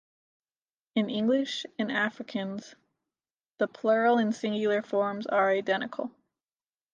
In English and Afrikaans, the plural and singular forms are identical.